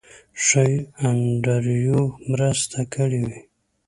ښایي انډریو مرسته کړې وي.